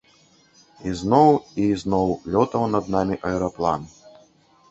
Ізноў і ізноў лётаў над намі аэраплан.